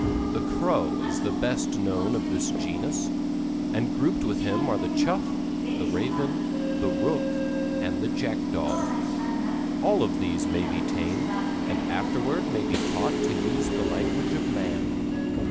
The Crow is the best known of this genus, and grouped with him are the chough, the raven, the rook and the jackdaw. All of these may be tamed, and afterward may be taught to use the language of man.